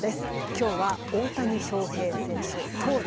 今日は大谷翔平選手投打